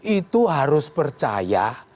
itu harus percaya